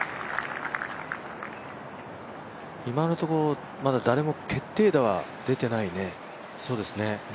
今のところ誰も決定打は出てないね。